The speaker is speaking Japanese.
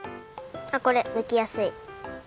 これむきやすい。